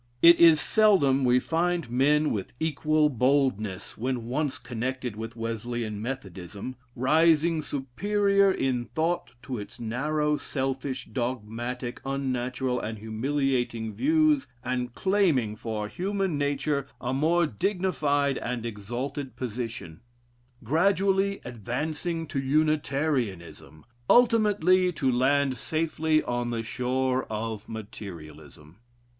It is seldom we find men with equal boldness, when once connected with Wesleyan Methodism, rising superior in thought to its narrow, selfish, dogmatic, unnatural, and humiliating views, and claiming for human nature a more dignified and exalted position; gradually advancing to Unitarianism; ultimately to land safely on the shore of Materialism.